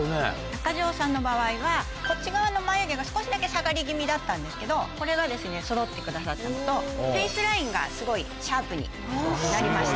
中条さんの場合はこっち側の眉毛が少しだけ下がり気味だったんですけどこれがそろってくださったのとフェースラインがすごいシャープになりました。